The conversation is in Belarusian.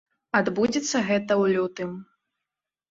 Адбудзецца гэта ў лютым.